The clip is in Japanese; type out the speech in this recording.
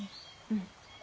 うん。